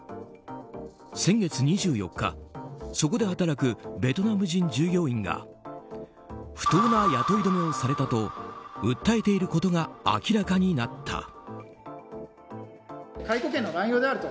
先月２４日、そこで働くベトナム人従業員が不当な雇い止めをされたと訴えていることが明らかになった。